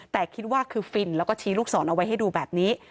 แต่คิดว่าคือฟินแล้วก็ชี้ลูกศรเอาไว้ให้ดูแบบนี้